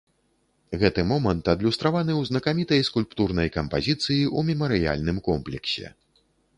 Гэты момант адлюстраваны ў знакамітай скульптурнай кампазіцыі ў мемарыяльным комплексе.